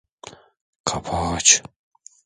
Kapağı aç.